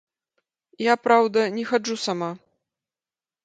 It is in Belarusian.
Я, праўда, не хаджу сама.